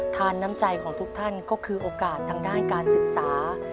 น้ำใจของทุกท่านก็คือโอกาสทางด้านการศึกษา